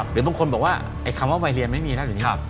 หรือบางคนบอกว่าไอ้คำว่าวัยเรียนไม่มีแล้วหรือนี่ครับ